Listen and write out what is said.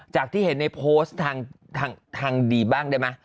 จากที่เห็นในโพสต์ทางดีบ้างได้มั้ย